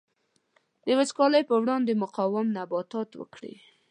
د وچکالۍ پر وړاندې مقاوم نباتات وکري.